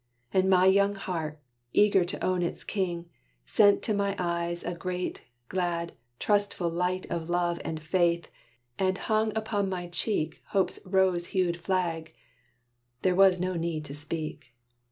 And my young heart, eager to own its king, Sent to my eyes a great, glad, trustful light Of love and faith, and hung upon my cheek Hope's rose hued flag. There was no need to speak.